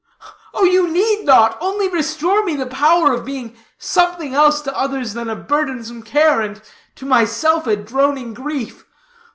"Oh, you need not! only restore me the power of being something else to others than a burdensome care, and to myself a droning grief.